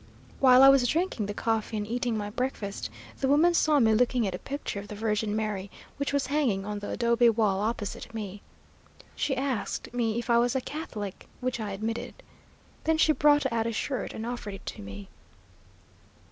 While I was drinking the coffee and eating my breakfast, the woman saw me looking at a picture of the Virgin Mary which was hanging on the adobe wall opposite me. She asked me if I was a Catholic, which I admitted. Then she brought out a shirt and offered it to me.